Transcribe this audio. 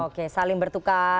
oke saling bertukar